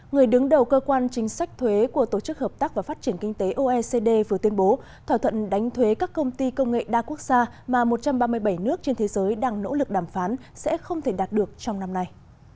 người đứng đầu cơ quan chính sách thuế của tổ chức hợp tác và phát triển kinh tế oecd vừa tuyên bố thỏa thuận đánh thuế các công ty công nghệ đa quốc gia mà một trăm ba mươi bảy nước trên thế giới đang nỗ lực đàm phán sẽ không thể đạt được trong năm nay